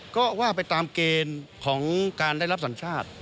ก็ว่าไปตามเกณฑ์ของการได้รับสัญชาติ